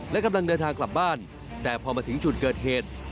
และกำลังเดินทางกลับบ้านแต่พอมาถึงจุดเกิดเหตุ